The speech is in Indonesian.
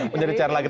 menjadi cair lagi